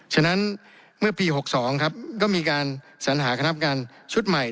ฉะนั้นเมื่อปี๖๒ครับก็มีการสัญหาคณะกรรมการชุดใหม่